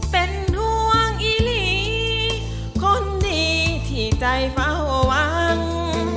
เป็นห่วงอีหลีคนดีที่ใจเฝ้าหวัง